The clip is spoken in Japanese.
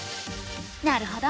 なるほど。